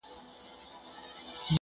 سمدلاه یې و سپي ته قبر جوړ کی,